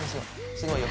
すごいよ。